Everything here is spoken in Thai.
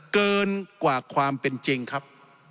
เกินกว่าความเป็นจริงครับ